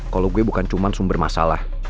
kalo gue bukan cuman sumber masalah